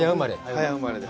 早生まれで。